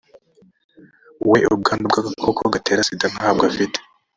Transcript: we ubwandu bw’agakoko gatera sida ntabwo afite